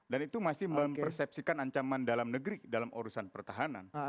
dan itu masih mempersepsikan ancaman dalam negeri dalam urusan pertahanan